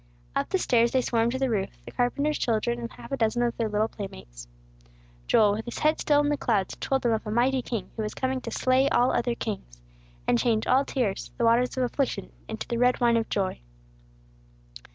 Up the stairs they swarmed to the roof, the carpenter's children and half a dozen of their little playmates. Joel, with his head still in the clouds, told them of a mighty king who was coming to slay all other kings, and change all tears the waters of affliction into the red wine of joy.